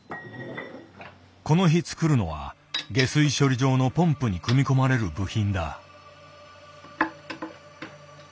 この日作るのは下水処理場のポンプに組み込まれる部品だ。